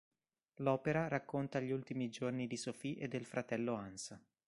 L'opera racconta gli ultimi giorni di Sophie e del fratello Hans.